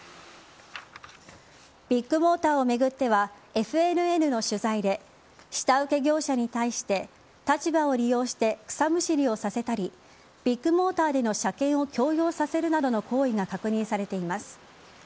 ビッグモーターを巡ってはＦＮＮの取材で下請け業者に対して立場を利用して草むしりをさせたりビッグモーターでの車検を強要させるなどの行為が確認されています。